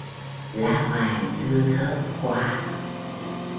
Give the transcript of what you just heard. Lá vàng thưa thớt quá